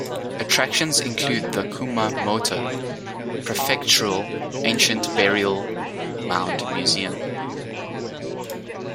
Attractions include the Kumamoto Prefectural Ancient Burial Mound Museum.